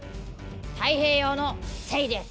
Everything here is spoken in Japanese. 太平洋の精です。